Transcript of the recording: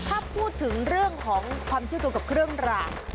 ถ้าพูดถึงเรื่องของความเชื่อเกี่ยวกับเครื่องราง